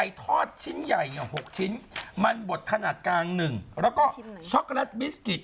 ทอดชิ้นใหญ่เนี่ย๖ชิ้นมันบดขนาดกลางหนึ่งแล้วก็ช็อกโกแลตบิสกิต